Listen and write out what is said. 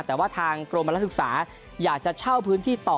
แต่ว่าทางกรมนักศึกษาอยากจะเช่าพื้นที่ต่อ